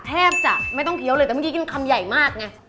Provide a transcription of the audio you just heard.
แทบจะไม่ต้องเคี้ยวเลยแต่เมื่อกี้กินคำใหญ่มากไง